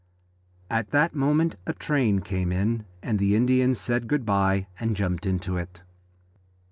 At that moment a train came in, and the Indian said good bye and jumped into it.